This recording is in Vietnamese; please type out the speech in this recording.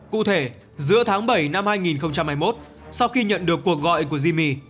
cụ thể giữa tháng bảy năm hai nghìn hai mươi một sau khi nhận được cuộc gọi của zimi